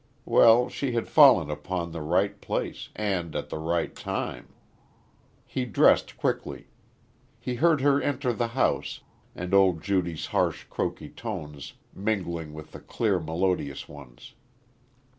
Well, she had fallen upon the right place, and at the right time. He dressed quickly. He heard her enter the house, and old Judy's harsh croaky tones mingling with the clear melodious ones.